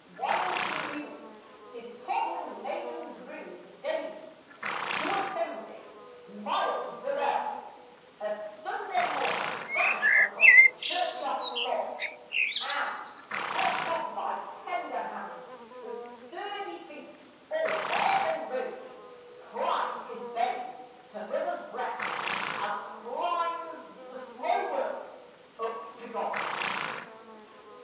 While he mused, his toddling maiden drew the daisies to a posy; Mild the bells of Sunday morning rang across the church yard sod; And, helped on by tender hands, with sturdy feet all bare and rosy, Climbed his babe to mother's breast, as climbs the slow world up to God.